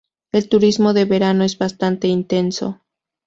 El turismo de verano es bastante intenso.